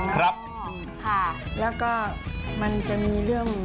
ครับค่ะแล้วก็มันจะมีเรื่อง